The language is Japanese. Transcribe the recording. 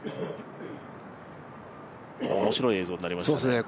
おもしろい映像になりましたね。